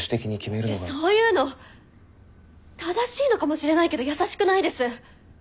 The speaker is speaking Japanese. そういうの正しいのかもしれないけど優しくないです！